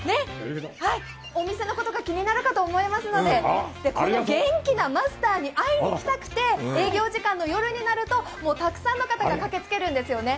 お店のことが気になるかと思いますのでこの元気なマスターに会いに来たくて、営業時間の夜になるとたくさんの人が駆けつけるんですよね。